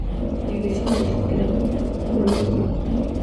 De la iglesia inicial queda parte como coro de las monjas.